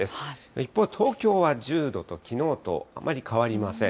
一方、東京は１０度と、きのうとあまり変わりません。